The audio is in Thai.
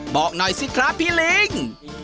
บอกหน่อยสิครับพี่ลิง